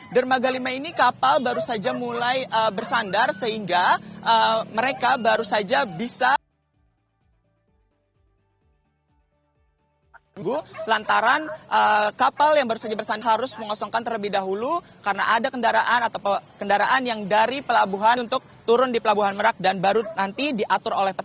dermaga lima ini kapal baru saja mulai bersandar